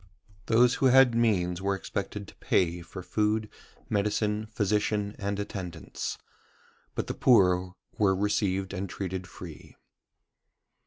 Those who had means were expected to pay for food, medicine, physician, and attendance: but the poor were received and treated free.